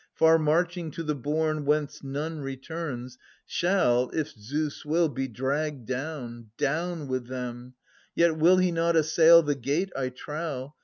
Far marching to the bourne whence none returns, Shall, if Zeus will, be dragged down, down with them. Yet will he not assail the gate, I trow.